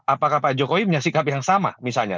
apakah pak jokowi punya sikap yang sama misalnya